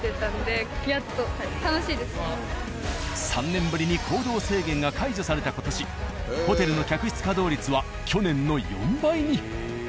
３年ぶりに行動制限が解除された今年ホテルの客室稼働率は去年の４倍に。